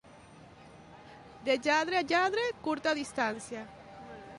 De lladre a lladre, curta distància.